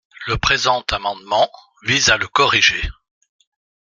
Le présent amendement vise à le corriger.